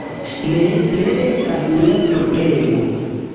Ne, ne estas mia problemo